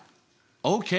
ＯＫ！